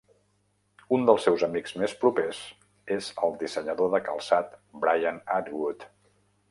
Un dels seus amics més propers és el dissenyador de calçat Brian Atwood.